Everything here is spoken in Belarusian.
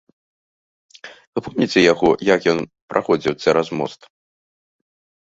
Вы помніце яго, як ён праходзіў цераз мост?